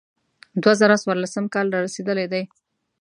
دوه زره څوارلسم کال را رسېدلی دی.